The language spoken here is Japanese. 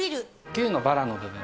牛のバラの部分。